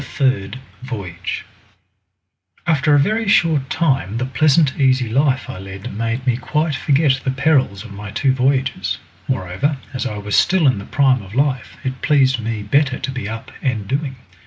Third Voyage After a very short time the pleasant easy life I led made me quite forget the perils of my two voyages. Moreover, as I was still in the prime of life, it pleased me better to be up and doing.